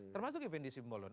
termasuk ife nisimbolon